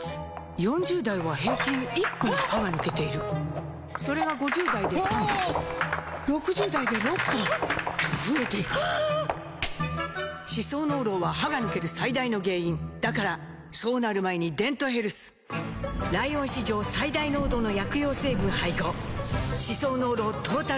４０代は平均１本歯が抜けているそれが５０代で３本６０代で６本と増えていく歯槽膿漏は歯が抜ける最大の原因だからそうなる前に「デントヘルス」ライオン史上最大濃度の薬用成分配合歯槽膿漏トータルケア！